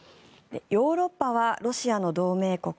ヨーロッパはロシアの同盟国